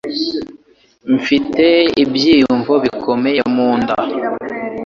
Mfite ibyiyumvo bikomeye mu nda.